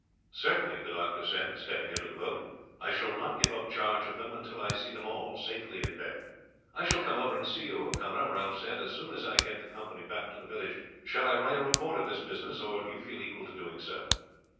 "Certainly," the doctor said, stepping into the boat. "I shall not give up charge of them until I see them all safely in bed." "I shall come over and see you O'Connor," Ralph said, "as soon as I get the company back to the village. Shall I write a report of this business, or do you feel equal to doing so?"